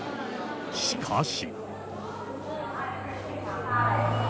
しかし。